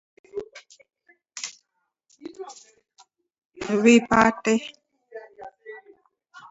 Wipate